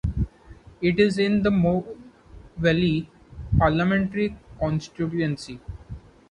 It is in the Mole Valley parliamentary constituency.